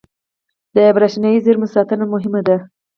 • د برېښنايي زېرمو ساتنه مهمه ده.